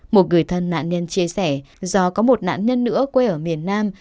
một người thân nạn nhân chia sẻ do có một nạn nhân nữa quê ở miền nam